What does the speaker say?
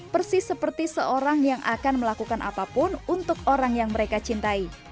persis seperti seorang yang akan melakukan apapun untuk orang yang mereka cintai